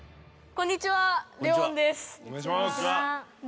こんにちは。